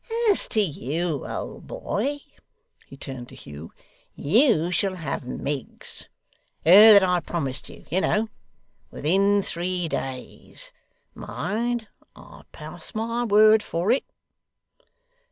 As to you, old boy' he turned to Hugh 'you shall have Miggs (her that I promised you, you know) within three days. Mind. I pass my word for it.